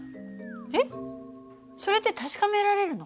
えっそれって確かめられるの？